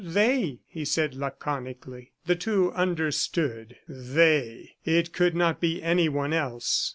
"They," he said laconically. The two understood. ... THEY! It could not be anyone else.